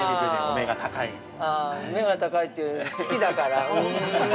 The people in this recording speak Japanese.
◆目が高いっていうより好きだから。